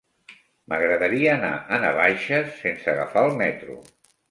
M'agradaria anar a Navaixes sense agafar el metro.